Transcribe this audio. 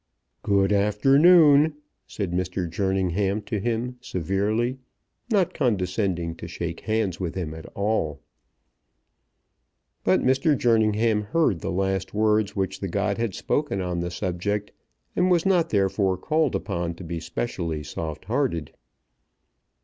"Good afternoon," said Mr. Jerningham to him severely, not condescending to shake hands with him at all. But Mr. Jerningham heard the last words which the god had spoken on the subject, and was not therefore called upon to be specially soft hearted.